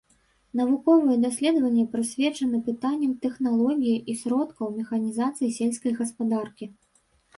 Навуковыя даследаванні прысвечаны пытанням тэхналогіі і сродкаў механізацыі сельскай гаспадаркі.